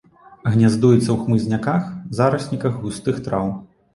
Гняздуецца ў хмызняках, зарасніках густых траў.